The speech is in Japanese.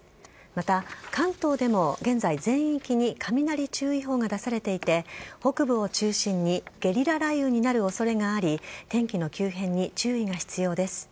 また、関東でも現在全域に雷注意報が出されていて北部を中心にゲリラ雷雨になる恐れがあり天気の急変に注意が必要です。